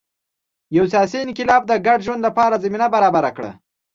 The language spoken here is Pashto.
یو سیاسي انقلاب د ګډ ژوند لپاره زمینه برابره کړه